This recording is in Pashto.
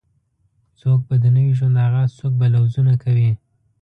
څوک به د نوې ژوند آغاز څوک به لوظونه کوي